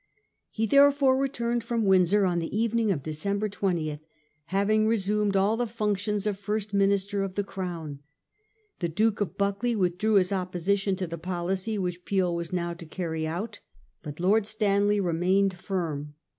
He therefore returned from Windsor on the evening of December 20, ' having resumed all the functions of First Minister of the Crown.' The Duke of Buc cleuch withdrew his opposition to the policy wMch Peel was now to carry out ; but Lord Stanley re mained firm.